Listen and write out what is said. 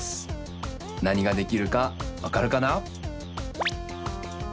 なにができるかわかるかな？